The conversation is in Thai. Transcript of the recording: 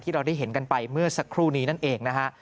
เราได้เห็นกันไปเมื่อสักครู่นี้นั่นเองนะฮะ